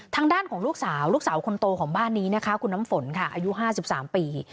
ทางด้านของลูกสาวลูกสาวคนโตของบ้านนี้นะคะคุณน้ำฝนค่ะอายุ๕๓ปี